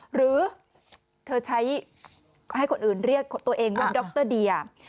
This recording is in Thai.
หรือเธอใช้ให้คนอื่นเรียกตัวเองว่าดรเดีย